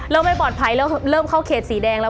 ไม่ปลอดภัยเริ่มเข้าเขตสีแดงแล้ว